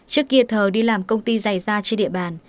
trước kia thờ đi làm công ty dày ra trên địa bàn